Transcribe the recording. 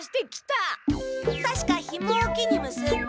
たしかひもを木にむすんで。